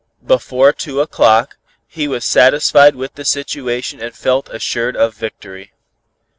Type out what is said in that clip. Before two o'clock, he was satisfied with the situation and felt assured of victory.